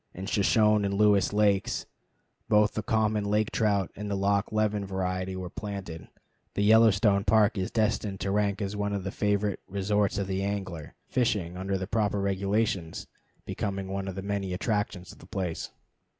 In Shoshone and Lewis lakes both the common lake trout and the Loch Leven variety were planted. The Yellowstone Park is destined to rank as one of the favorite resorts of the angler, fishing, under the proper regulations, becoming one of the many attractions of the place.